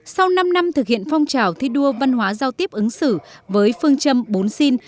sau năm năm thực hiện phong trào thi đua văn hóa giao tiếp ứng xử với phương châm bốn xin